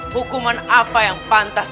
hukuman apa yang pantas